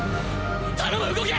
頼む動け！